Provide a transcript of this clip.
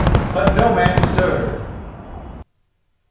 But no man stirred.